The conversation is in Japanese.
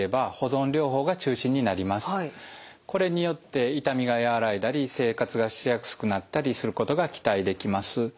これによって痛みが和らいだり生活がしやすくなったりすることが期待できます。